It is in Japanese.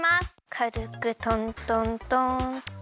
かるくトントントンっと。